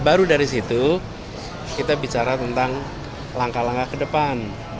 baru dari situ kita bicara tentang langkah langkah ke depan